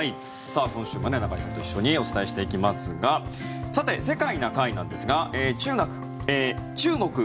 さあ、今週も中居さんと一緒にお伝えしていきますがさて、「世界な会」なんですがチュウガク。